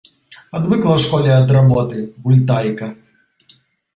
Адвыкла ў школе ад работы, гультайка.